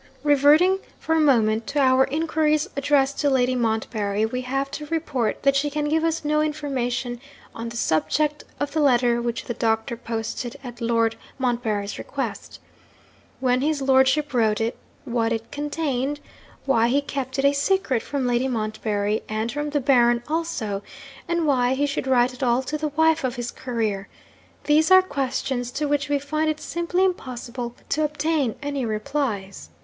'Reverting for a moment to our inquiries addressed to Lady Montbarry, we have to report that she can give us no information on the subject of the letter which the doctor posted at Lord Montbarry's request. When his lordship wrote it? what it contained? why he kept it a secret from Lady Montbarry (and from the Baron also); and why he should write at all to the wife of his courier? these are questions to which we find it simply impossible to obtain any replies.